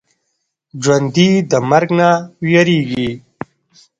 ژوندي د مرګ نه وېرېږي